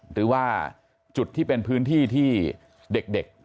หรือว่าจุดที่เป็นพื้นที่ที่เด็ก